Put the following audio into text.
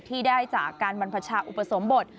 ที่ได้จากการบรรพชาอุปสมบท